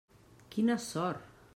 Quina sort!